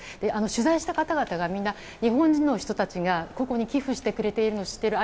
取材した方がみんな日本人の人たちがここに寄付してくれているのを知っている。